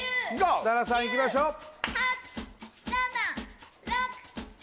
設楽さんいきましょううお！